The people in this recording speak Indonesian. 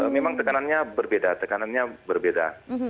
memang tekanannya berbeda